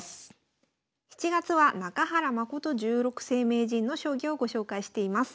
７月は中原誠十六世名人の将棋をご紹介しています。